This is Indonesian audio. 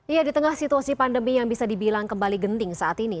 ya di tengah situasi pandemi yang bisa dibilang kembali genting saat ini